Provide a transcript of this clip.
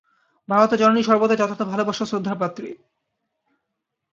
ভারতে জননী সর্বদাই যথার্থ ভালবাসা ও শ্রদ্ধার পাত্রী।